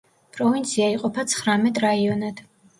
პროვინცია იყოფა ცხრამეტ რაიონად.